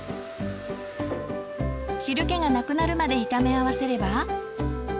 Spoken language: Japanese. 汁けがなくなるまで炒め合わせれば。